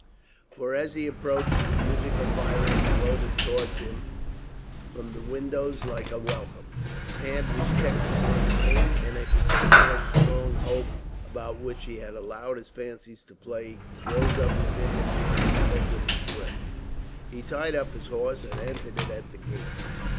For as he approached, the music of a violin floated towards him from the windows like a welcome. His hand was checked upon the reins, and a particular strong hope, about which he had allowed his fancies to play, rose up within him and suspended his breath. He tied up his horse and entered in at the gate.